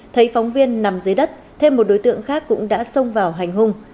thấy phóng viên nằm dưới đất thêm một đối tượng khác cũng đã xông vào hành hung